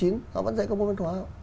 nó vẫn dạy các môn văn hóa